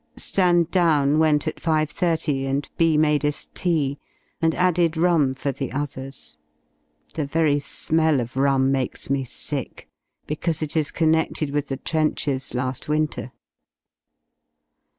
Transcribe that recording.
Stand down went at 5.30, and B made us tea, and added rum for the others; the very smell of rum makes me sick, because it is connected with the trenches la^ winter.